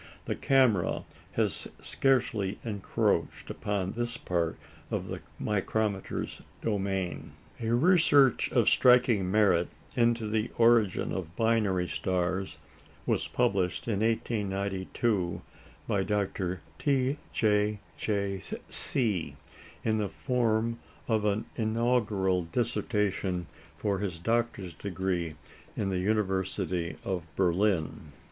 The camera has scarcely encroached upon this part of the micrometer's domain. A research of striking merit into the origin of binary stars was published in 1892 by Dr. T. J. J. See, in the form of an Inaugural Dissertation for his doctor's degree in the University of Berlin.